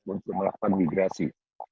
untuk melakukan migrasi